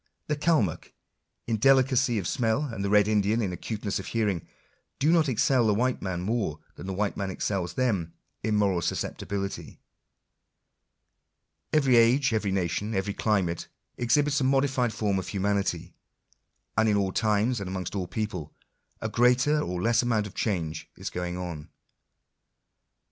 The Calmuck in delicacy of smell, and the red Indian in acuteness of hearing, do not excel the white man more than the white man excels them in moral susceptibility. Every age, every nation, every climate, ex hibits a modified form of humanity ; and in all times, and amongst all peoples, a greater or less amount of change is going on.